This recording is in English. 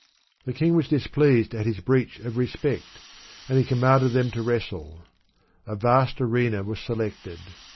The king was displeased at his breach of respect, and he commanded them to wrestle. A vast arena was selected.